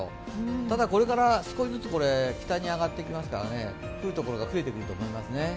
ただ、これから少しずつ北に上がってきますから、降る所が増えてくると思いますね。